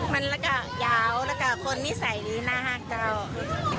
มันแล้วก็ยาวแล้วก็คนนิสัยนี้น่ากับเจ้า